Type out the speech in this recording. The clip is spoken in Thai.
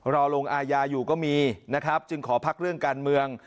รอลงอาญาอยู่ก็มีนะครับจึงขอพักเรื่องการเมือง